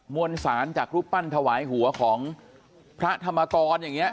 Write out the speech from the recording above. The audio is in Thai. วนสารจากรูปปั้นถวายหัวของพระธรรมกรอย่างนี้